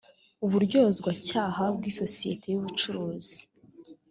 uburyozwacyaha bw isosiyete y ubucuruzi